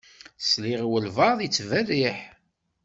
Sliɣ i walebɛaḍ yettberriḥ.